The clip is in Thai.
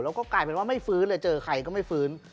แล้วก็กลายเป็นว่าไม่ฟื้นเลยเจอใครก็ไม่ฟื้น